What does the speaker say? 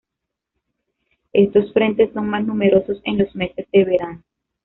Estos frentes son más numerosos en los meses de verano.